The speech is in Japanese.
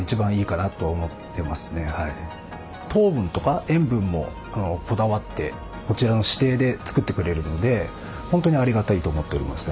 糖分とか塩分もこだわってこちらの指定で作ってくれるので本当にありがたいと思っておりますね。